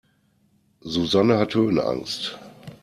Susanne hat Höhenangst.